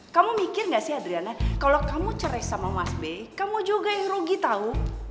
kamu mikir gak sih adriana kalau kamu cerai sama mas b kamu juga yang rugi tahu